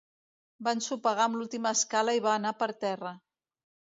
Va ensopegar amb l'última escala i va anar per terra.